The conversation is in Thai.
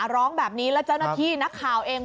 ร้องแบบนี้แล้วเจ้าหน้าที่นักข่าวเอง